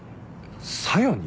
小夜に？